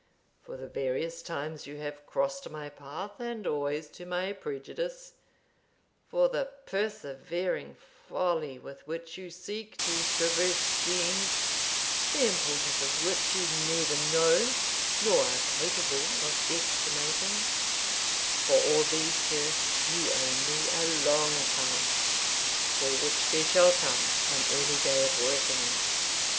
for the various times you have crossed my path, and always to my prejudice for the persevering folly with which you seek to traverse schemes, the importance of which you neither know nor are capable of estimating, for all these, sir, you owe me a long account, for which there shall come an early day of reckoning."